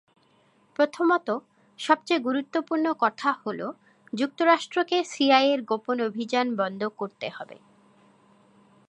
প্রথমত, সবচেয়ে গুরুত্বপূর্ণ কথা হলো, যুক্তরাষ্ট্রকে সিআইয়ের গোপন অভিযান বন্ধ করতে হবে।